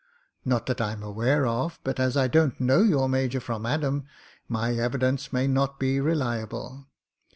"Not that I'm aware of, but as I don't know your major from Adam, my evidence may not be reliable.